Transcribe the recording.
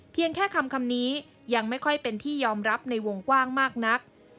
แค่คำนี้ยังไม่ค่อยเป็นที่ยอมรับในวงกว้างมากนัก